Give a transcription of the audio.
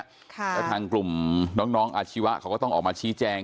แล้วทางกลุ่มน้องอาชีวะเขาก็ต้องออกมาชี้แจง